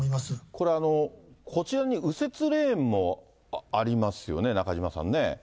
これ、こちらに右折レーンもありますよね、中島さんね。